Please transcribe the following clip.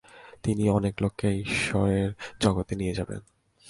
তিনি অনেক লোককে ঈশ্বরের জগতে নিয়ে যাবেন"।